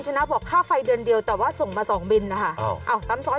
เจนรับบอกค่าไฟเดือนเดียวแต่ว่าส่งมาสองบิลนะคะอ้าวอ้าวซ้ำซ้อน